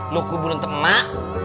lo kiburun emak